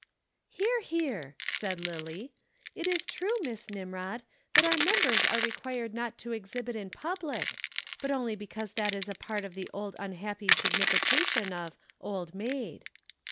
"Hear, hear," said Lillie. "It is true, Miss Nimrod, that our members are required not to exhibit in public, but only because that is a part of the old unhappy signification of 'Old Maid.'"